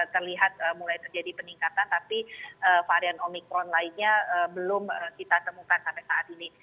terlihat mulai terjadi peningkatan tapi varian omikron lainnya belum kita temukan sampai saat ini